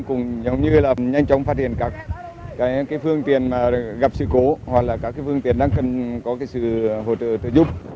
cũng như là nhanh chóng phát hiện các phương tiện gặp sự cố hoặc là các phương tiện đang cần có sự hỗ trợ